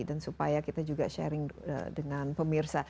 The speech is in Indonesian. dan supaya kita juga sharing dengan pemirsa